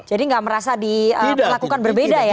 jadi tidak merasa diperlakukan berbeda ya